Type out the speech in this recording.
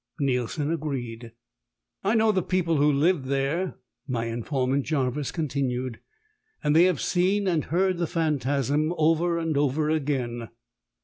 Neilson agreed. "I know the people who live there," my informant, Jarvis, continued, "and they have seen and heard the phantasm over and over again."